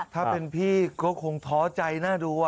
ถ้าเป็นพี่ก็คงท้อใจน่าดู